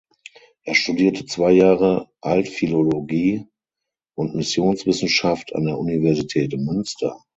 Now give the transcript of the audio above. Er studierte zwei Jahre Altphilologie und Missionswissenschaft an der Universität Münster.